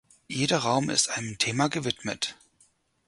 Jeder Raum ist einem Thema gewidmet.